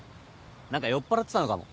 何か酔っぱらってたのかも。